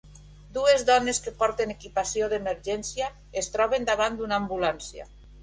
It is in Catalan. Dues dones que porten equipació d'emergència es troben davant d'una ambulància.